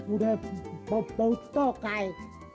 udah bau bau tokai